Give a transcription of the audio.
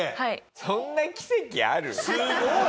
そんな奇跡ある？